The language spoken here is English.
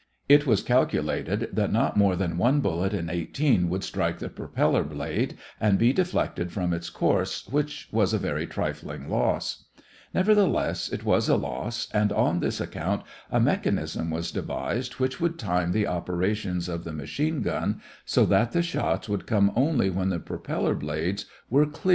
It was calculated that not more than one bullet in eighteen would strike the propeller blade and be deflected from its course, which was a very trifling loss; nevertheless, it was a loss, and on this account a mechanism was devised which would time the operations of the machine gun so that the shots would come only when the propeller blades were clear of the line of fire.